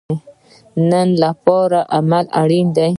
د نن لپاره عمل اړین دی